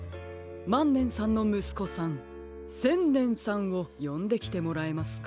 まんねんさんのむすこさんせんねんさんをよんできてもらえますか？